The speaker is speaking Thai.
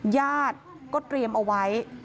ญาติก็เตรียมเอาไว้